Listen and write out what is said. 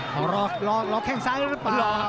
หลอกแข่งซ้ายหรือเปล่า